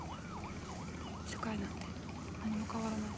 世界なんて何も変わらない。